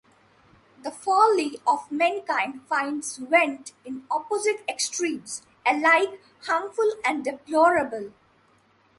The folly of mankind finds vent in opposite extremes alike harmful and deplorable.